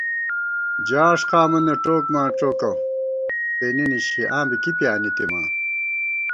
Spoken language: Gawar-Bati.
جاݭ قامَنہ ڄوک مانڄوکہ تېنے نِشی آں بی کی پیانِتِماں